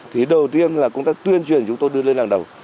thì đầu tiên là công tác tuyên truyền chúng tôi đưa lên đằng đầu